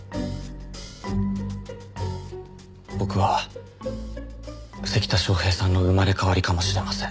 僕は関田昌平さんの生まれ変わりかもしれません。